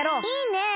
いいね！